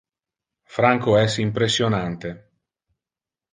Franco es impressionate.